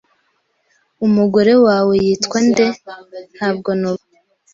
"Umugore wawe yitwa nde?" "Ntabwo nubatse."